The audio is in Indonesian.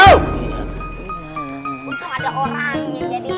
untung ada orangnya jadi